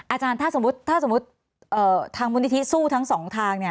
อาจารย์ถ้าสมมุติถ้าสมมุติทางมูลนิธิสู้ทั้งสองทาง